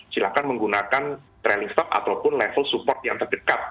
silakan menggunakan trailing stock ataupun level support yang terdekat